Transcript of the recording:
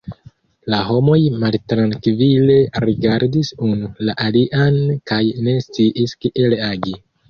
La homoj maltrankvile rigardis unu la alian kaj ne sciis kiel agi.